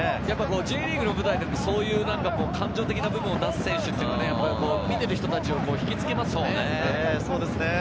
Ｊリーグの舞台でも感情的な部分を出す選手は見ている人たちを引きつけますよね。